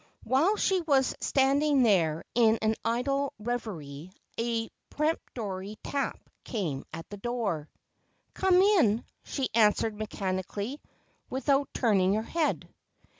While she was standing there in an idle reverie, a peremptory tap came at the door. ' Come in,' she answered mechanically, without turning her head.